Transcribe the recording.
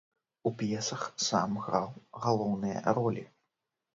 У п'есах сам граў галоўныя ролі.